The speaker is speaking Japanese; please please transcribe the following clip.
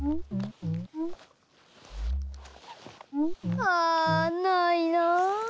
あないな。